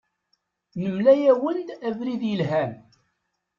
Nemla-awen-d abrid yelhan.